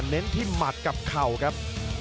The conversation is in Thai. เน้นที่หมัดกับเข่าครับ